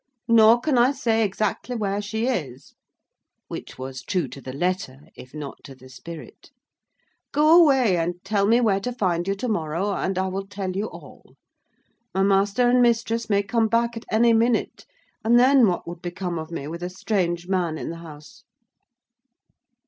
Nor can I say exactly where she is" (which was true to the letter if not to the spirit). "Go away, and tell me where to find you to morrow, and I will tell you all. My master and mistress may come back at any minute, and then what would become of me with a strange man in the house?"